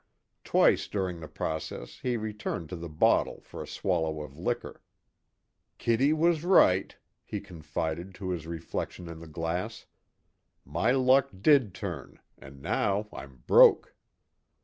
Twice during the process he returned to the bottle for a swallow of liquor. "Kitty was right," he confided to his reflection in the glass, "My luck did turn and now, I'm broke."